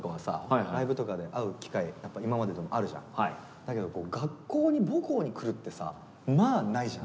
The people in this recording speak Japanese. だけどこう学校に母校に来るってさまあないじゃん。